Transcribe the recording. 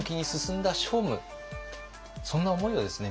そんな思いをですね